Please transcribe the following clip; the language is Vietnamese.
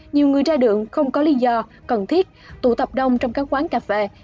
nhiều người ra đường không có lý do cần thiết tụ tập đông trong các quán cà phê